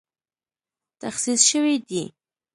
تخصیص شوې دي